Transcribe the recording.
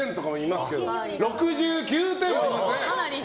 ６９点もいますね。